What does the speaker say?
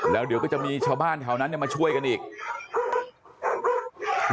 แล้วเดี๋ยวก็จะมีชาวบ้านแถวนั้นเนี่ยมาช่วยกันอีก